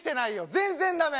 全然駄目。